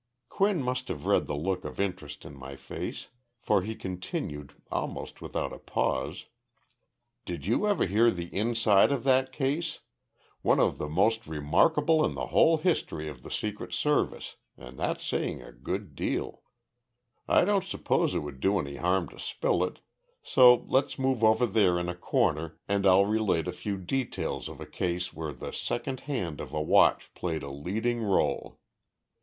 Quinn must have read the look of interest in my face, for he continued, almost without a pause: "Did you ever hear the inside of that case? One of the most remarkable in the whole history of the Secret Service, and that's saying a good deal. I don't suppose it would do any harm to spill it, so let's move over there in a corner and I'll relate a few details of a case where the second hand of a watch played a leading role."